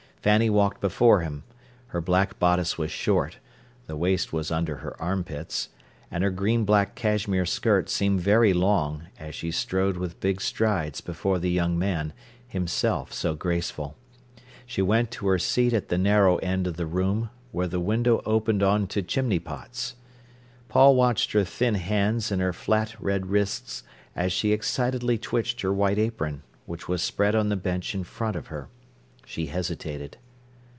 Fanny walked before him: her black bodice was short—the waist was under her armpits—and her green black cashmere skirt seemed very long, as she strode with big strides before the young man, himself so graceful. She went to her seat at the narrow end of the room, where the window opened on to chimney pots. Paul watched her thin hands and her flat red wrists as she excitedly twitched her white apron, which was spread on the bench in front of her. She hesitated.